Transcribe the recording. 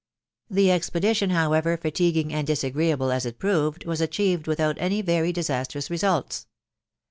The expedition, nowever, fatiguing and riiiagjniali ai it proved, was achieved without any very diaaatroua tuadU.